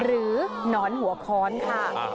หนอนหัวค้อนค่ะ